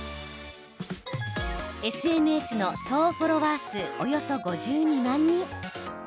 ＳＮＳの総フォロワー数約５２万人。